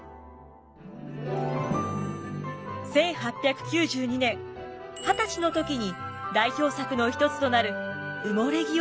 １８９２年二十歳の時に代表作の一つとなる「うもれ木」を発表。